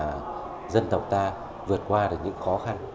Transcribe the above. và dân tộc ta vượt qua được những khó khăn